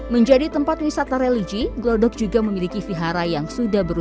menjadi tempat wisata religi glodok juga memiliki vihara yang sudah berusia